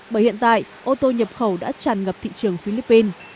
bởi hiện tại ô tô nhập khẩu đã tràn ngập thị trường philippines